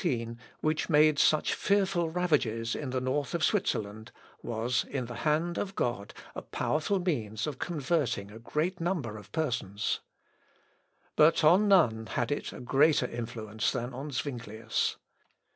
The plague of 1519, which made such fearful ravages in the north of Switzerland, was, in the hand of God, a powerful means of converting a great number of persons. But on none had it a greater influence than on Zuinglius.